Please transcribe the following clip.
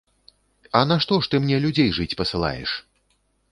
А нашто ж ты мне людзей жыць пасылаеш?